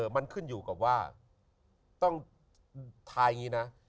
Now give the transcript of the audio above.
มันขึ้นอยู่กับว่าต้องทายอย่างนี้นะ